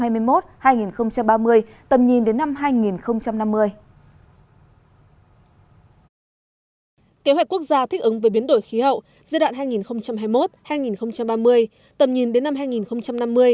kế hoạch quốc gia thích ứng với biến đổi khí hậu giai đoạn hai nghìn hai mươi một hai nghìn ba mươi tầm nhìn đến năm hai nghìn năm mươi